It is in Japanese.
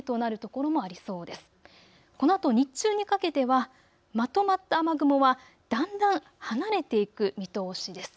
このあと日中にかけてはまとまった雨雲はだんだん離れていく見通しです。